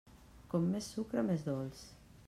Com més sucre, més dolç.